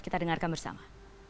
kita dengarkan bersama